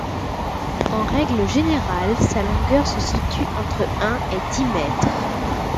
En règle générale, sa longueur se situe entre un et dix mètres.